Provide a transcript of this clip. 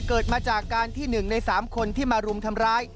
เกิดมาจากการที่๑ใน๓คนที่มารุมทำร้าย